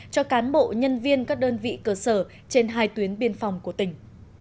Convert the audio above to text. cho cán bộ nhân viên các đơn vị cơ sở trên hai tuyến biên phòng của tỉnh